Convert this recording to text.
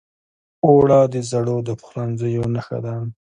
اوړه د زړو پخلنځیو نښه ده